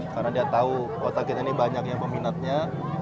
karena dia tahu kota kita ini banyak yang peminatnya